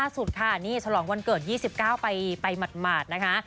สุทธิ์ค่ะนี่ฉลองวันเกิด๒๙นะคะ